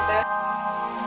ibuh udah pulang kei